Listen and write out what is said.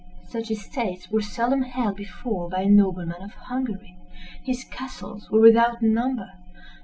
Such estates were seldom held before by a nobleman of Hungary. His castles were without number.